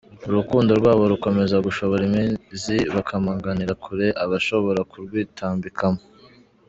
Urukundo rw’abo rukomeza gushora imizi bakamaganira kure abashobora kurwitambikamo.